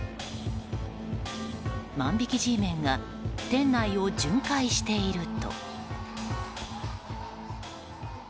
万引きＧメンが店内を巡回していると。